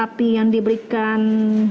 api yang diberikan